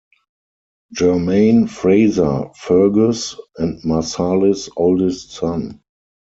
Germain Fraser - Fergus and Marsali's oldest son.